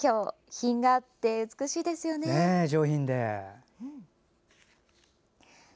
品があって、美しいですよね。